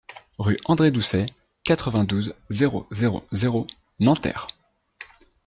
Rue André Doucet, quatre-vingt-douze, zéro zéro zéro Nanterre